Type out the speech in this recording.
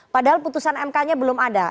padahal putusan mk nya belum ada